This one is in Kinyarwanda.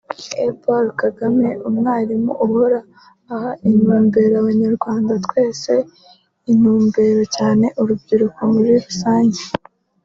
E Paul Kagame umwalimu uhora aha Intumbero abanyarwanda twese intumbero cyane urubyiruko muri rusange